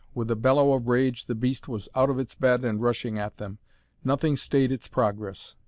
With a bellow of rage the beast was out of its bed and rushing at them. Nothing stayed its progress.